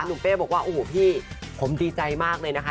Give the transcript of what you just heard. เป้บอกว่าโอ้โหพี่ผมดีใจมากเลยนะคะ